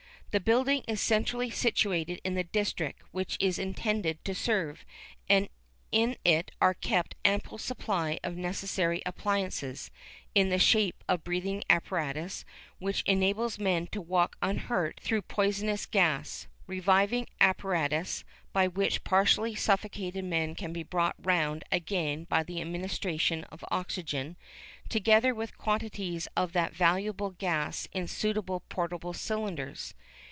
The building is centrally situated in the district which it is intended to serve, and in it are kept an ample supply of the necessary appliances, in the shape of breathing apparatus, which enables men to walk unhurt through poisonous gas, reviving apparatus, by which partially suffocated men can be brought round again by the administration of oxygen, together with quantities of that valuable gas in suitable portable cylinders.